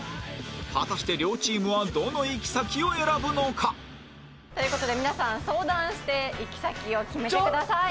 果たして両チームはどの行き先を選ぶのか？という事で皆さん相談して行き先を決めてください。